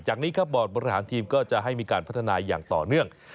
นี้ครับบอร์ดบริหารทีมก็จะให้มีการพัฒนาอย่างต่อเนื่อง